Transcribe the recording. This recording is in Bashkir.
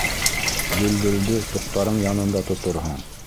Дөлдөлдө тоҡтарың янында тоторһоң.